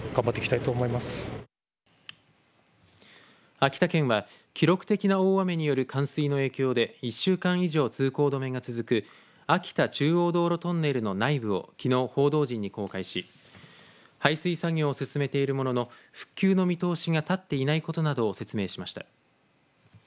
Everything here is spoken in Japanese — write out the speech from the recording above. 秋田県は記録的な大雨による冠水の影響で１週間以上通行止めが続く秋田中央道路トンネルの内部をきのう報道陣に公開し排水作業を進めているものの復旧の見通しが立っていないことなどを説明しました。